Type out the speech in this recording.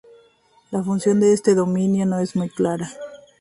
La función de este dominio no es muy clara.